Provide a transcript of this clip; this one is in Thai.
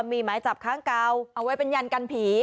มีหมายจับค้างเก่าเอาไว้เป็นยันกันผี